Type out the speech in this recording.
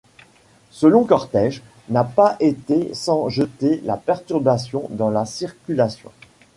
Ce long cortège n'a pas été sans jeter la perturbation dans la circulation.